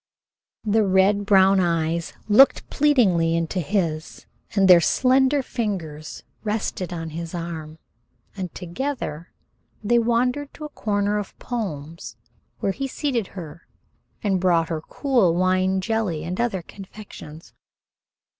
The red brown eyes looked pleadingly into his, and the slender fingers rested on his arm, and together they wandered to a corner of palms where he seated her and brought her cool wine jelly and other confections.